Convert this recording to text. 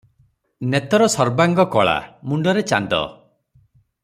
ନେତର ସର୍ବାଙ୍ଗ କଳା, ମୁଣ୍ତରେ ଚାନ୍ଦ ।